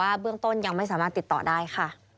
เบื้องต้นยังไม่สามารถติดต่อได้ค่ะ